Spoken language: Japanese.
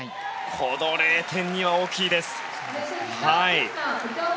この０．２は大きいです。